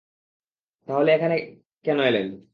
তাহলে এখানে কেন এলেন?